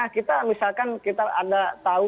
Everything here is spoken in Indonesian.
kita misalkan kita ada tahu